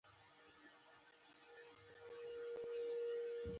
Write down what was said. پاچا تل د خپل واک د ساتلو په فکر کې دى.